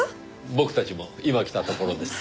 僕たちも今来たところです。